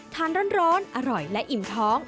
ทานร้อนอร่อยและอิ่มท้อง